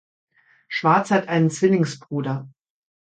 Schwarz hat einen Zwillingsbruder.